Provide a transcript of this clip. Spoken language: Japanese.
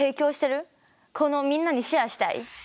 このみんなにシェアしたい。